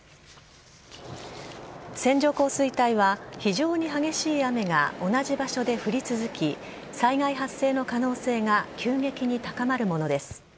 線状降水帯は非常に激しい雨が同じ場所で降り続き災害発生の可能性が急激に高まるものです。